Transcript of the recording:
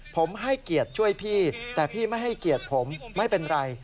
ผมให้เกียรติช่วยพี่แต่พี่ไม่ให้เกียรติผมไม่เป็นไร